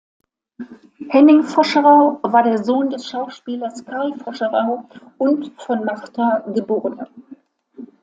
Henning Voscherau war der Sohn des Schauspielers Carl Voscherau und von Martha, geb.